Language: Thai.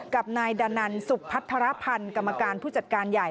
กับนายดานันสุพัทรพันธ์กรรมการผู้จัดการใหญ่